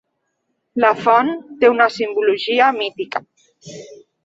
La font té una simbologia mítica.